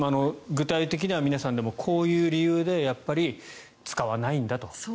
具体的には皆さんこういう理由でやっぱり使わないんだと。